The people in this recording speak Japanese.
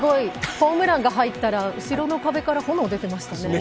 ホームランが入ったら、後ろの壁から炎が出ていましたね。